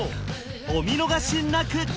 お見逃しなく！